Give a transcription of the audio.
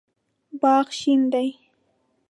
باغ شین دی